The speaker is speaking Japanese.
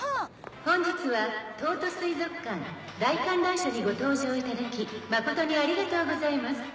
本日は東都水族館大観覧車にご搭乗いただき誠にありがとうございます。